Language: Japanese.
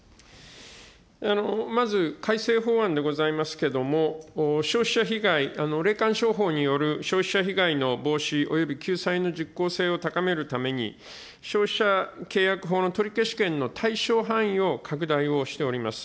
まず改正法案でございますけども、消費者被害、霊感商法による消費者被害の防止、及び救済の実効性を高めるために、消費者契約法の取消権の対象範囲を拡大をしております。